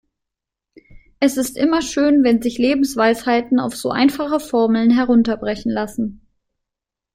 Es ist immer schön, wenn sich Lebensweisheiten auf so einfache Formeln herunterbrechen lassen.